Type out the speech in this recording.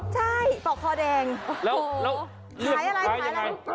ใช่ต่อคอแดงเหลือกลูกค้ายังไง